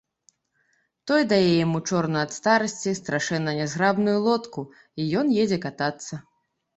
Той дае яму чорную ад старасці, страшэнна нязграбную лодку, і ён едзе катацца.